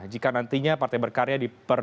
jika nantinya partai berkarya